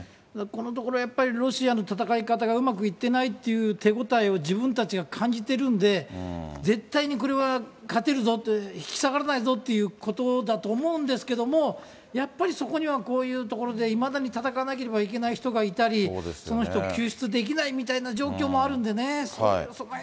このところ、やっぱりロシアの戦い方がうまくいってないっていう手応えを、自分たちが感じてるんで、絶対にこれは勝てるぞと、引き下がらないぞということだと思うんですけども、やっぱりそこにはこういうところで、いまだに戦わなければいけない人がいたり、その人を救出できないみたいな状況もあるんでね。